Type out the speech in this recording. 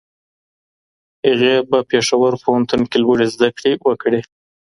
هغې په پېښور پوهنتون کې لوړې زده کړې وکړې.